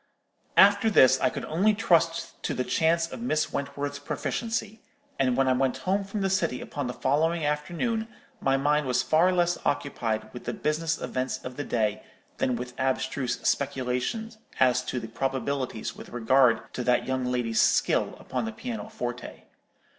"After this I could only trust to the chance of Miss Wentworth's proficiency; and when I went home from the city upon the following afternoon, my mind was far less occupied with the business events of the day than with abstruse speculations at to the probabilities with regard to that young lady's skill upon the piano forte.